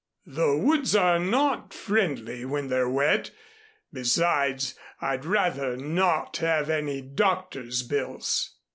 The woods are not friendly when they're wet. Besides, I'd rather not have any doctor's bills."